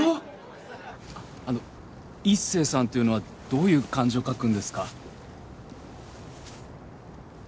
あのイッセイさんっていうのはどういう漢字を書くんですか？